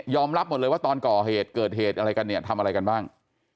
รับหมดเลยว่าตอนก่อเหตุเกิดเหตุอะไรกันเนี่ยทำอะไรกันบ้าง